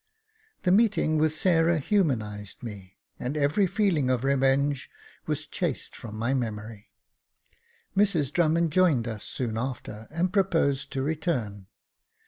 The meeting with Sarah humanised me, and every feeling of revenge was chased from my memory. Mrs Drummond joined us soon after, and proposed to return.